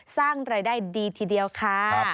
สร้างรายได้ดีทีเดียวค่ะ